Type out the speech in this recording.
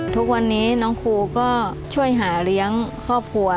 ทุกวันนี้น้องครูก็ช่วยหาเลี้ยงครอบครัว